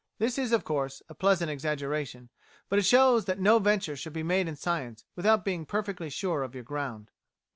This is, of course, a pleasant exaggeration, but it shows that no venture should be made in science without being perfectly sure of your ground.